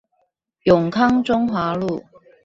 永康中華路